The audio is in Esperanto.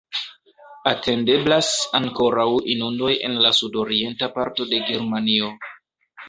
Atendeblas ankoraŭ inundoj en la sudorienta parto de Germanio.